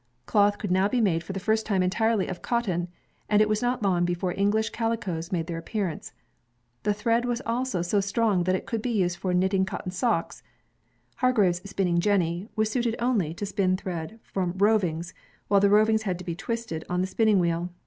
Cloth could now be made for the first time entirely of cotton, and it was not long before English calicoes made their appearance. The thread was also so strong that it could be used for knitting cotton socks. Hargreaves' spinning jenny was suited only to spin thread from rovings, while the rovings had to be twisted on the spinning wheel.